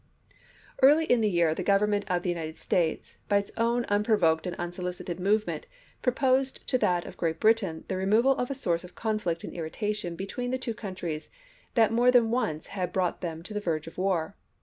1862. Early in the year the Government of the United States, by its own unprovoked and unsolicited movement, proposed to that of Great Britain the removal of a source of conflict and irritation be tween the two countries that more than once had brought them to the verge of war.